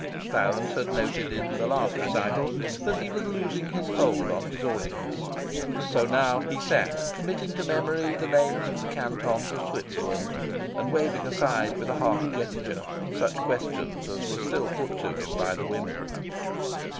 Clarence had noted in the last recital that he was losing his hold on his audience. So now he sat committing to memory the names of the cantons of Switzerland, and waving aside with a harsh gesture such questions as were still put to him by the women.